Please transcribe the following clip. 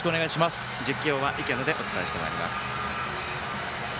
実況は池野でお伝えしてまいります。